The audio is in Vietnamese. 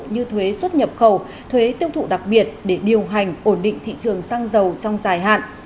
như thuế xuất nhập khẩu thuế tiêu thụ đặc biệt để điều hành ổn định thị trường xăng dầu trong dài hạn